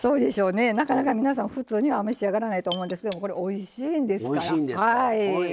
なかなか皆さん、普通にはお召し上がりにならないと思うんですけどこれおいしいんですわ。